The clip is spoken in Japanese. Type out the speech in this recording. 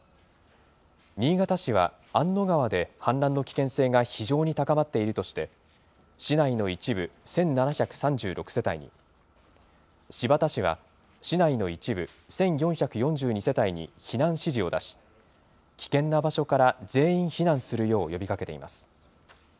新潟市はあんの川で、氾濫の危険性が非常に高まっているとして、市内の一部１７３６世帯に、新発田市は市内の一部１４４２世帯に避難指示を出し、危険な場所から全員避難するよう呼びかけています。